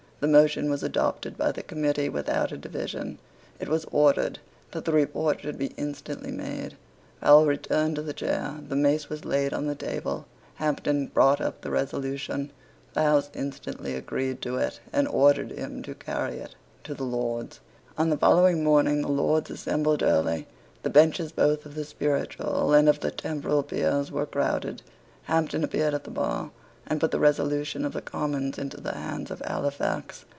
The motion was adopted by the Committee without a division. It was ordered that the report should be instantly made. Powle returned to the chair: the mace was laid on the table: Hampden brought up the resolution: the House instantly agreed to it, and ordered him to carry it to the Lords. On the following morning the Lords assembled early. The benches both of the spiritual and of the temporal peers were crowded. Hampden appeared at the bar, and put the resolution of the Commons into the hands of Halifax.